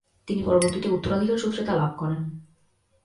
তিনি পরবর্তীতে উত্তরাধিকার সূত্রে তা লাভ করেন।